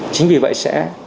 chính vì vậy sẽ